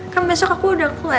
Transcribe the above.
kan besok aku udah keluar